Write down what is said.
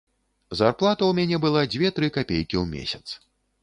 Зарплата ў мяне была дзве-тры капейкі ў месяц.